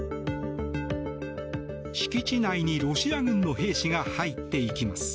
敷地内にロシア軍の兵士が入っていきます。